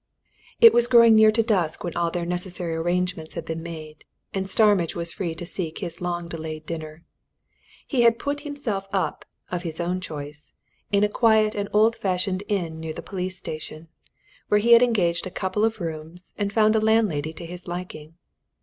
It was growing near to dusk when all their necessary arrangements had been made, and Starmidge was free to seek his long delayed dinner. He had put himself up, of his own choice, at a quiet and old fashioned inn near the police station, where he had engaged a couple of rooms and found a landlady to his liking.